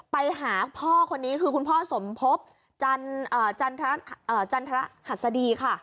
ไปหาพ่อคนนี้คือคุณพ่อสมทจันทรภัศดี